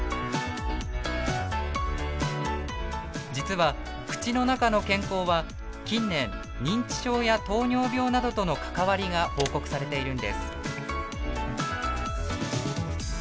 実は口の中の健康は近年認知症や糖尿病などとの関わりが報告されているんです。